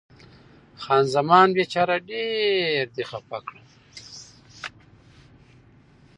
خان زمان: بیچاره، ډېر دې خفه کړم.